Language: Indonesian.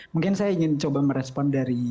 mungkin saya ingin coba merespon dari